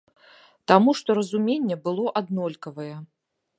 Таму што разуменне было аднолькавае.